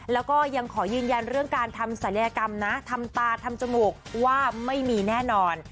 แล้วก็ยังขอยืนยันเรื่องการทำศัลยกรรมนะทำตาทำจมูกว่าไม่มีแน่นอน